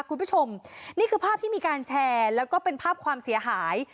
คุณผู้ชมนี่คือภาพที่มีการแชร์แล้วก็เป็นภาพความเสียหาย